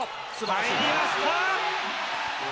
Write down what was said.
入りました。